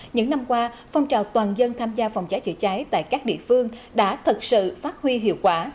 những năm qua phong trào toàn dân tham gia phòng cháy chữa cháy tại các địa phương đã thật sự phát huy hiệu quả